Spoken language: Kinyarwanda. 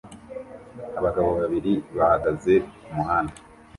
Abagabo babiri bahagaze kumuhanda